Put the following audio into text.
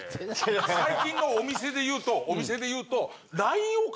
最近のお店で言うと。